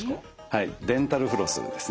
はいデンタルフロスですね。